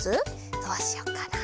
どうしよっかな。